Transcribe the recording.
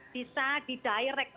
bisa di direct